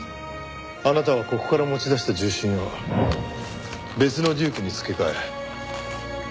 あなたはここから持ち出した銃身を別のデュークに付け替え。